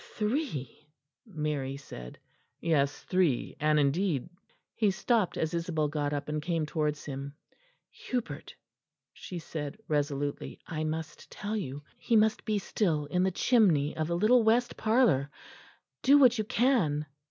"Three?" Mary said. "Yes, three and indeed " He stopped as Isabel got up and came towards him. "Hubert," she said resolutely, "I must tell you. He must be still in the chimney of the little west parlour. Do what you can."